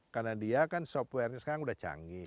karena dia kan softwarenya sekarang udah canggih